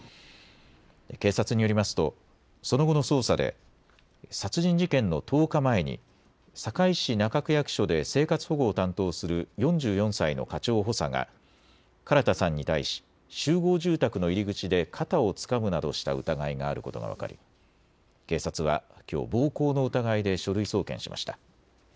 警察によりますとその後の捜査で殺人事件の１０日前に堺市中区役所で生活保護を担当する４４歳の課長補佐が唐田さんに対し、集合住宅の入り口で肩をつかむなどした疑いがあることが分かり警察はきょう暴行の疑いで書類送検しました。